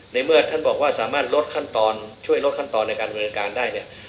ในเมื่อท่านบอกว่าสามารถลดขั้นตอนช่วยลดขั้นตอนในการบริการได้เนี่ย